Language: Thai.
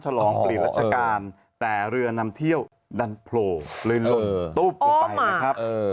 ฉลองปริศรัชกาลแต่เรือนำเที่ยวดันโพลเลยลงตุ๊บไปนะครับ